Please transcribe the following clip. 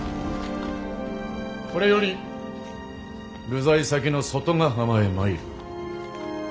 これより流罪先の外ヶ浜へ参る。